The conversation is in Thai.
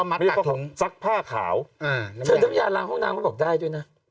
น้ำยาฝ้าขาวสักผ้าขาว